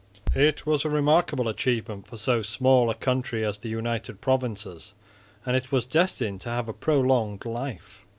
It was a remarkable achievement for so small a country as the United Provinces, and it was destined to have a prolonged life.